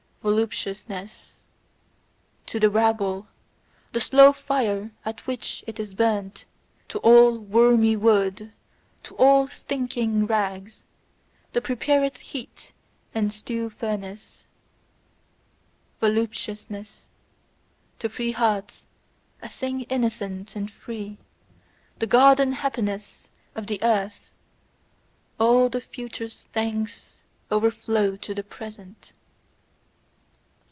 Voluptuousness: to the rabble, the slow fire at which it is burnt; to all wormy wood, to all stinking rags, the prepared heat and stew furnace. Voluptuousness: to free hearts, a thing innocent and free, the garden happiness of the earth, all the future's thanks overflow to the present.